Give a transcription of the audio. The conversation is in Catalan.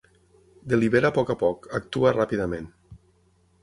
Delibera a poc a poc, actua ràpidament.